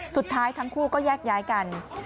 สุดท้ายทั้งคู่ก็แยกย้ายกัน